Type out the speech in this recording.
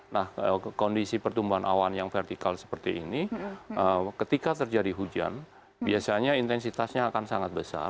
nah kondisi pertumbuhan awan yang vertikal seperti ini ketika terjadi hujan biasanya intensitasnya akan sangat besar